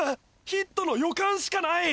ヒットの予感しかない！